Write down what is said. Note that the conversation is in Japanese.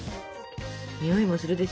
匂いもするでしょ